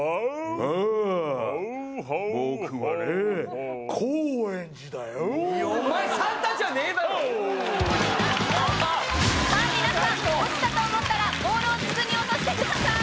ああ僕はねさあ皆さんオチたと思ったらボールを筒に落としてください